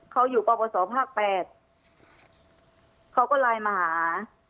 เขาอยู่ปปศภาค๘เขาก็ไลน์มาหา